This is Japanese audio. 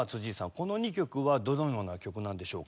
この２曲はどのような曲なんでしょうか？